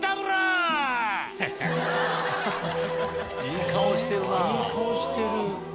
いい顔してるなぁ。